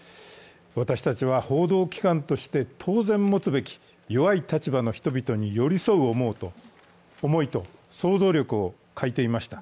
私たちは報道機関として当然持つべき弱い立場の人たちに寄り添う思いと想像力を欠いていました。